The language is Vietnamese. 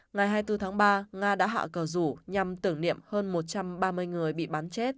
ngày hai mươi bốn tháng ba nga đã hạ cờ rủ nhằm tưởng niệm hơn một trăm ba mươi người bị bắn chết